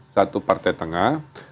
satu partai tengah